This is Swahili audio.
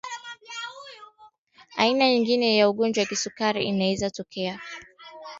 aina nyingine ya ugonjwa wa kisukari inaweza kutokea